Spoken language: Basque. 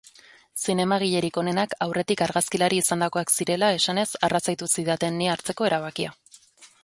Zinemagilerik onenak aurretik argazkilari izandakoak zirela esanez arrazoitu zidaten ni hartzeko erabakia.